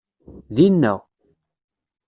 Dinna.